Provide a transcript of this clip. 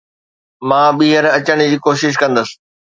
مان ٻيهر اچڻ جي ڪوشش ڪندس.